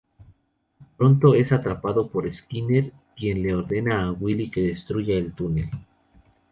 Pronto es atrapado por Skinner, quien le ordena a Willie que destruya el túnel.